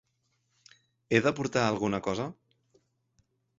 He de portar alguna cosa?